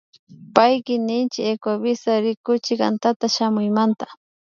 Payki ninchi Ecuavisa rikuchik antata shamuymanta